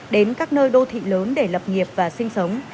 đến các nơi đô thị lớn để lập nghiệp và sinh sống